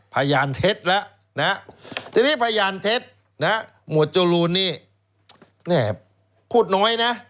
พยานเท็จแล้วนะทีนี้พยานเท็จนะหมวดจรูนนี่พูดน้อยนะ